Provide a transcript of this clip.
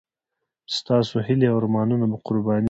ستاسو هیلې او ارمانونه به قرباني شي.